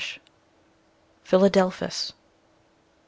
P. Philadelphus H.